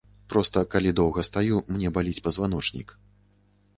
Проста, калі доўга стаю, мне баліць пазваночнік.